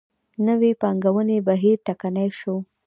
نوې پانګونې بهیر ټکنی شو.